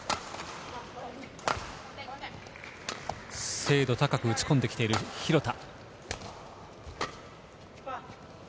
精度高く打ち込んで来ている廣田。